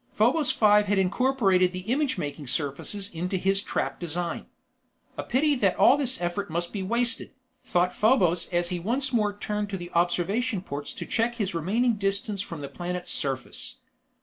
Probos Five had incorporated the image making surfaces into his trap design. A pity that all this effort must be wasted, thought Probos as he once more turned to the observation ports to check his remaining distance from the planet's surface.